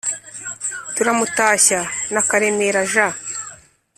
turamutashya na karemera jean